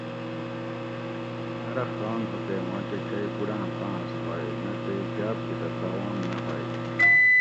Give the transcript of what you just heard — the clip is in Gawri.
نرخ ران ہُو تے ماکہ چئی گُڑاۤں پاۤنس ہوگ نہ تے جاۤب تھی تہ تاوان نہ ہوئے